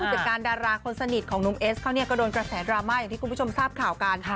จากการดาราคนสนิทของหนุ่มเอสเขาก็โดนกระแสดราม่าอย่างที่คุณผู้ชมทราบข่าวกัน